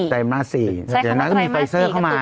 แต่พรีเซอร์เขามาอีก๒๐ลา